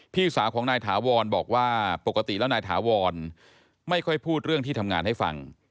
พี่สาวของนายถาวรบอกว่าปกติแล้วนายถาวรไม่ค่อยพูดเรื่องที่ทำงานให้ฟัง